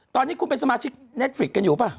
ตอนนี้คุณเป็นสมาชิกเน็ตฟริกกันอยู่ป่ะ